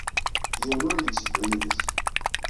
Yiwen ur yetteddu yid-s.